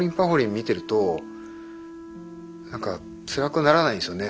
見てるとなんかつらくならないんですよね。